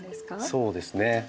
そうですね。